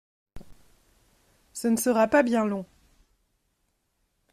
Ce ne sera pas bien long.